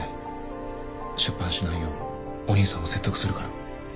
出版しないようお兄さんを説得するから。